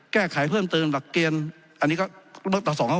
แก้ไขเพิ่มเติมหลักเกณฑ์อันนี้ก็เลือกต่อ๒๕๖